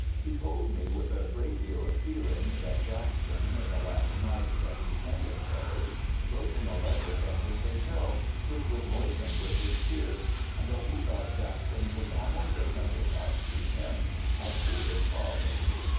He told me, with a great deal of feeling, that Jackson, the last night that he spent in Paris, wrote him a letter from his hotel, which was moistened with his tears, and that he thought Jackson was almost as much attached to him as to his father.'